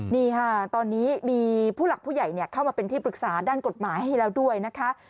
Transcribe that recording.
นี่ค่ะตอนนี้มีผู้หลักผู้ใหญ่เข้ามาเป็นที่ปรึกษาด้านกฎหมายให้แล้วด้วยนะคะ